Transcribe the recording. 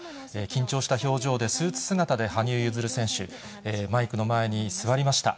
緊張した表情で、スーツ姿で羽生結弦選手、マイクの前に座りました。